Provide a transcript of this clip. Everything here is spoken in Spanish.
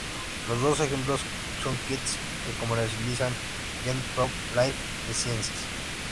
Los dos ejemplos son kits que comercializa Gen-Probe Life Sciences.